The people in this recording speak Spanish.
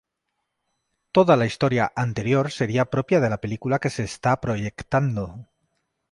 Toda la historia anterior sería propia de la película que se está proyectando.